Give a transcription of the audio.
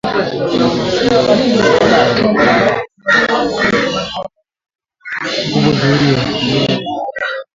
hapo mwezi Disemba ili kusaidia kupambana na kundi la waasi lenye vurugu ya uingiliaji mkubwa zaidi wa kigeni nchini Kongo